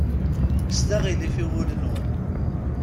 Kkset aɣilif i wul-nwen.